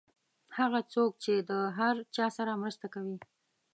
هغه څوک چې د هر چا سره مرسته کوي.